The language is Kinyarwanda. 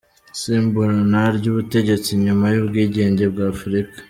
Isimburana ry’ubutegetsi nyuma y’ubwigenge bwa Afurika.